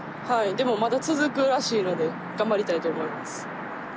でもまだ続くらしいので頑張りたいと思います。